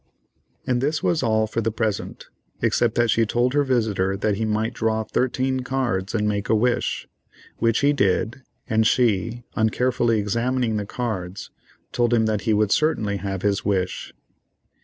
And this was all for the present, except that she told her visitor that he might draw thirteen cards, and make a wish, which he did, and she, on carefully examining the cards, told him that he would certainly have his wish.